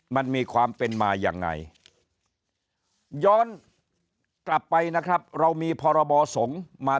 มันมีความเป็นมายังไงย้อนกลับไปนะครับเรามีพรบสงฆ์มา